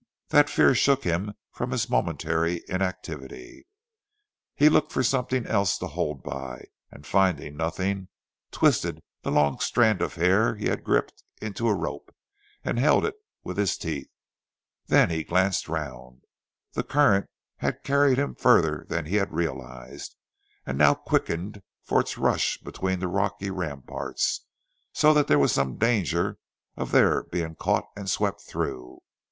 That fear shook him from his momentary inactivity. He looked for something else to hold by, and finding nothing, twisted the long strand of hair he had gripped into a rope, and held it with his teeth. Then he glanced round. The current had carried him further than he had realized, and now quickened for its rush between the rocky ramparts, so that there was some danger of their being caught and swept through.